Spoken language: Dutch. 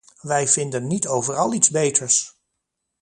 Wij vinden niet overal iets beters!